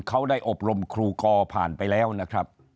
เขาได้อบรมครูกอผ่านไปแล้วนะครับ